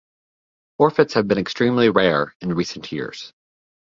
Forfeits have become extremely rare in recent years.